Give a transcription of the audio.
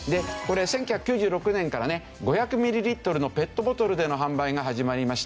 これ１９９６年からね５００ミリリットルのペットボトルでの販売が始まりまして